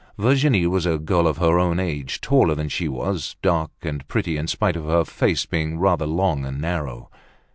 Virginie was a girl of her own age, taller than she was, dark and pretty in spite of her face being rather long and narrow.